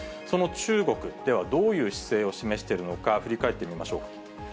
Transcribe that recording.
その中国、ではどういう姿勢を示しているのか、振り返ってみましょう。